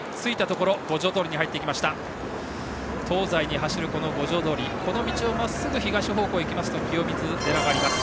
この道をまっすぐ東方向に行きますと清水寺があります。